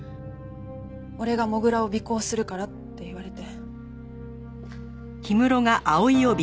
俺が土竜を尾行するからって言われて。